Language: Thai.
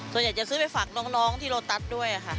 จะซื้อไปฝากน้องที่โลตัสด้วยค่ะ